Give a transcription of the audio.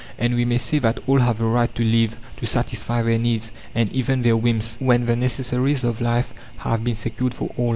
And we may say that all have the right to live, to satisfy their needs, and even their whims, when the necessaries of life have been secured for all.